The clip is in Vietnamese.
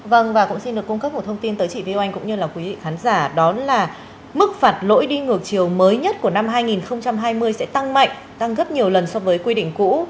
vâng và cũng xin được cung cấp một thông tin tới chị vi oanh cũng như là quý vị khán giả đó là mức phạt lỗi đi ngược chiều mới nhất của năm hai nghìn hai mươi sẽ tăng mạnh tăng gấp nhiều lần so với quy định cũ